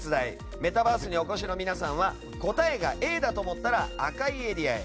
メタバースにお越しの皆さんは答えがＡだと思ったら赤のエリアへ。